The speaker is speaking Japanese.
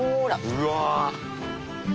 うわ！